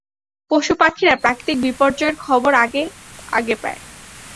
পশু-পাখিরা প্রাকৃতিক বিপর্যয়ের খবর আগে-আগে পায়।